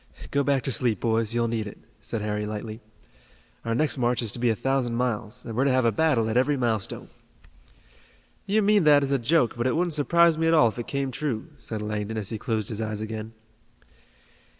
"Go back to sleep, boys, you'll need it," said Harry lightly. "Our next march is to be a thousand miles, and we're to have a battle at every milestone." "You mean that as a joke, but it wouldn't surprise me at all if it came true," said Langdon, as he closed his eyes again.